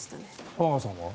玉川さんは？